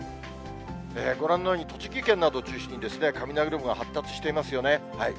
ご覧のように、栃木県などを中心に雷雲が発達していますよね。